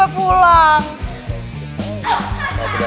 semua ga bisa biasanya